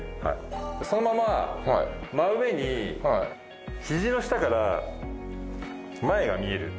そのまま真上に肘の下から前が見える。